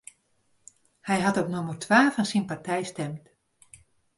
Hy hat op nûmer twa fan syn partij stimd.